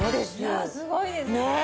いやすごいですね。